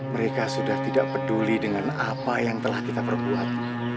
mereka sudah tidak peduli dengan apa yang telah kita perbuat